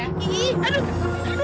aduh jangan aduh